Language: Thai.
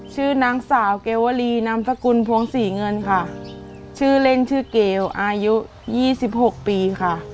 ชื่อนางสาวเกวลีนามสกุลพวงศรีเงินค่ะชื่อเล่นชื่อเกลอายุยี่สิบหกปีค่ะ